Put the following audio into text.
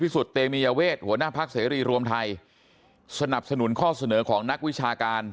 สนับสนุนข้อเสนอของนักวิชาการ